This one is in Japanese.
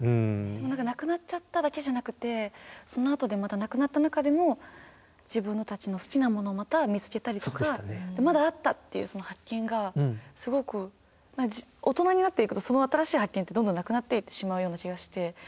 何かなくなっちゃっただけじゃなくてそのあとでまたなくなった中でも自分たちの好きなものをまた見つけたりとかまだあったっていう発見がすごく大人になっていくとその新しい発見ってどんどんなくなっていってしまうような気がして。